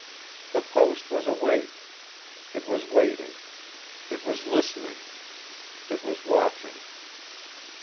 The post was awake. It was waiting. It was listening. It was watching.